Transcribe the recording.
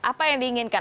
apa yang diinginkan